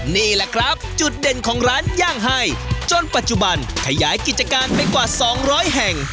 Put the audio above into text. นี่แหละครับจุดเด่นของร้านย่างไฮจนปัจจุบันขยายกิจการไปกว่า๒๐๐แห่ง